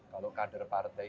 kalau kader partai